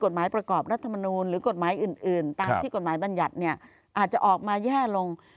ตั้งที่กฎหมายบรรยัติอาจจะออกมาแย่ลง